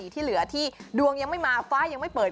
ที่เหลือที่ดวงยังไม่มาฟ้ายังไม่เปิด